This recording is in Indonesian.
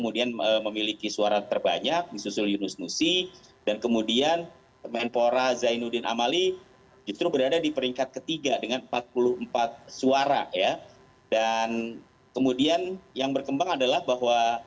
dan setelah dilakukan penghitungan ulang akhirnya berubah